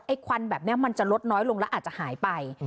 ควันแบบนี้มันจะลดน้อยลงแล้วอาจจะหายไป